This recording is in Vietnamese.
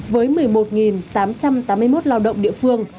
với một mươi một tám trăm tám mươi một lao động địa phương